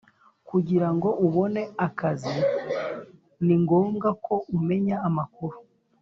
kugira ngo ubone akazi, ni ngombwa ko umenya amakuru